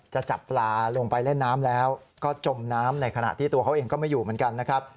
จะจับปลาลงไปเล่นน้ำแล้วก็จมน้ำในขณะที่ตัวเขาเองก็ไม่อยู่เหมือนกันนะครับ